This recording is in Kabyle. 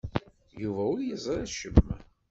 Yuba ur yeẓri acemma.